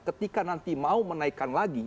ketika nanti mau menaikkan lagi